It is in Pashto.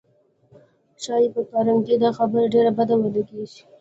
ښایي پر کارنګي دا خبره ډېره بده ولګېږي